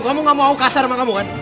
kamu gak mau kasar sama kamu kan